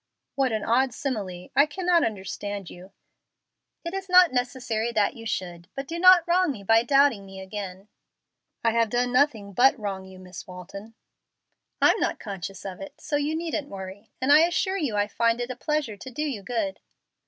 "What an odd simile! I cannot understand you." "It is not necessary that you should, but do not wrong me by doubting me again." "I have done nothing but wrong you, Miss Walton." "I'm not conscious of it, so you needn't worry, and I assure you I find it a pleasure to do you good."